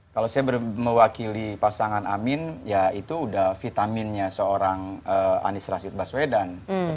kalau saya mewakili pasangan amin ya itu udah vitaminnya seorang anies rashid baswedan